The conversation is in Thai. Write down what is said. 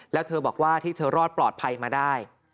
แล้วเธอบอกว่าที่เธอรอดปลอดภัยมาได้